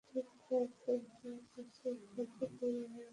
TV guide ছবিটিকে পাঁচের মধ্যে তিন তারা রেটিং দিয়েছে।